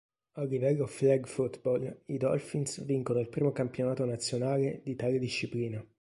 A livello Flag Football i Dolphins vincono il primo campionato nazionale di tale disciplina.